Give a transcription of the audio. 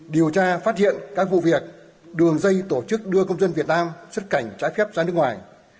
điều tra phát hiện các vụ việc đường dây tổ chức đưa công dân việt nam xuất cảnh trái phép ra nước ngoài